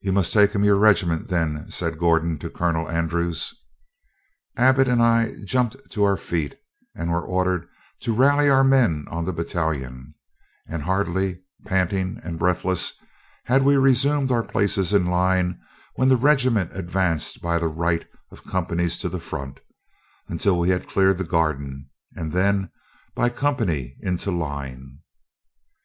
"You must take him your regiment, then," said Gordon to Colonel Andrews. Abbott and I jumped to our feet, and were ordered to rally our men on the battalion; and hardly, panting and breathless, had we resumed our places in line when the regiment advanced by the right of companies to the front, until we had cleared the garden, and then by company into line.